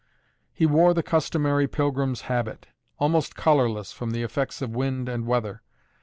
He wore the customary pilgrim's habit, almost colorless from the effects of wind and weather.